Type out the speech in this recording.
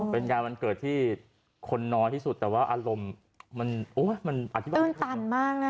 เป็นงานวันเกิดที่คนน้อยที่สุดแต่ว่าอารมณ์มันอธิบายตื้นตันมากนะ